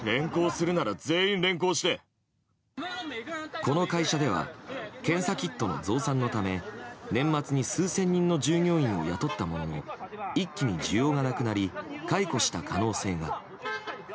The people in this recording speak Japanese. この会社では検査キットの増産のため年末に数千人の従業員を雇ったものの一気に需要がなくなり解雇した可能性が。